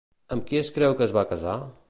Amb qui es creu que es va casar?